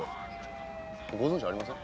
ご存じありません？